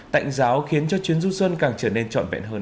tạnh giáo khiến cho chuyến du xuân càng trở nên trọn vẹn hơn